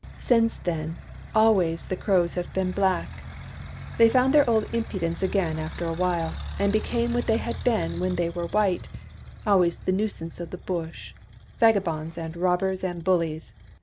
Since then, always the Crows have been black. They found their old impudence again after a while, and became what they had been when they were white — always the nuisances of the Bush, vagabonds and robbers and bullies.